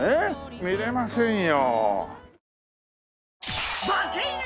見れませんよ。